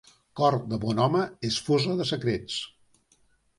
Cor de bon home és fossa de secrets.